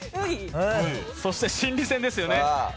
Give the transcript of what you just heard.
そして心理戦ですよね。